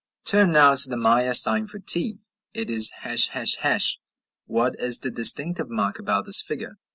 Turn now to the Maya sign for t: it is ###,. What is the distinctive mark about this figure?